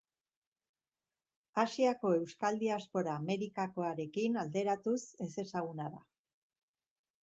Asiako euskal diaspora Amerikakoarekin alderatuz ezezaguna da.